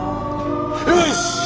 よし！